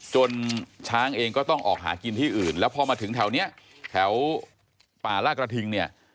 ช้างเองก็ต้องออกหากินที่อื่นแล้วพอมาถึงแถวนี้แถวป่าลากระทิงเนี่ย